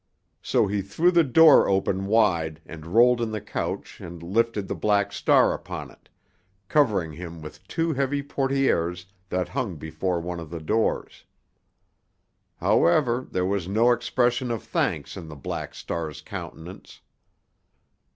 So he threw the door open wide and rolled in the couch and lifted the Black Star upon it, covering him with two heavy portières that hung before one of the doors. However, there was no expression of thanks in the Black Star's countenance.